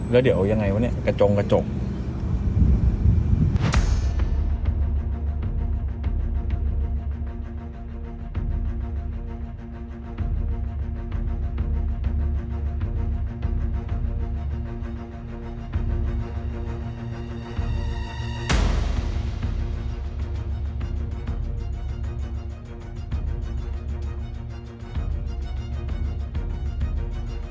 แล้วเดี๋ยวยังไงวะเนี่ยกระจงกระจก